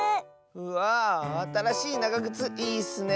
うわあたらしいながぐついいッスね。